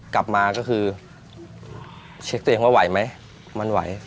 กลับมาก็คือเช็คตัวเองว่าไหวไหมมันไหว